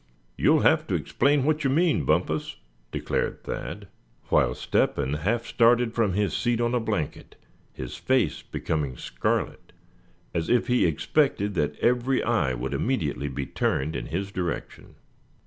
"You'll have to explain what you mean, Bumpus?" declared Thad; while Step hen half started from his seat on a blanket, his face becoming scarlet as if he expected that every eye would immediately be turned in his direction.